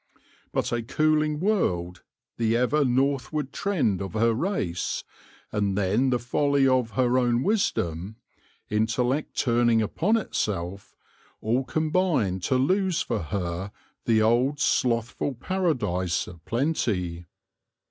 But a cooling world, the ever northward trend of her race, and then the folly of her own wisdom— intellect turning upon itself — all combined to lose for her the old slothful paradise of plenty.